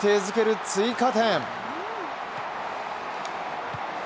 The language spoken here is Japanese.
づける追加点！